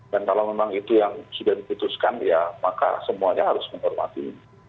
dan kalau memang itu yang sudah diputuskan ya maka semuanya harus menghormati